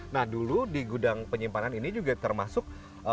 nah dulu di gudang penyimpanan ini juga termasuk